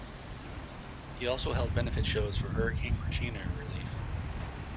He also held benefit shows for Hurricane Katrina relief.